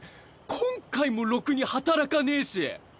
今回もろくに働かねぇし。